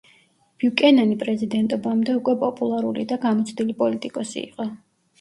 ბიუკენენი პრეზიდენტობამდე უკვე პოპულარული და გამოცდილი პოლიტიკოსი იყო.